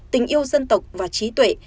tình yêu dân tộc và trí tuệ